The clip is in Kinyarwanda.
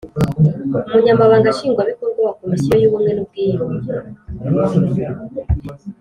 Umunyamabanga Nshingwabikorwa wa Komisiyo y’ubumwe n’ubwiyunge